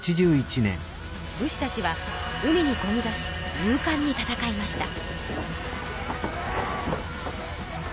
武士たちは海にこぎ出し勇かんに戦いました。